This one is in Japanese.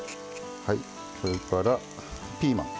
それからピーマン。